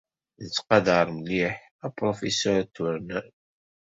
Nettqadar mliḥ apṛufisur Turner.